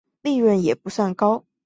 利润也不算高